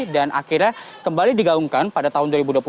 dan akhirnya kembali digaungkan pada tahun dua ribu dua puluh satu